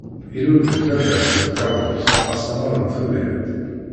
Ilul deg taddart n Tqerbust asamar n Tubiret.